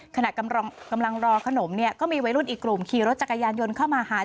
ขณะกำลังรอขนมเนี่ยก็มีวัยรุ่นอีกกลุ่มขี่รถจักรยานยนต์เข้ามาหา